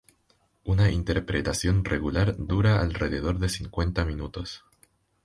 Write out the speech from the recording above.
Una interpretación regular dura alrededor de cincuenta minutos.